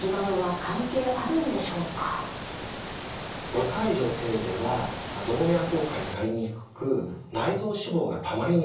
若い女性では動脈硬化になりにくく内臓脂肪がたまりにくい。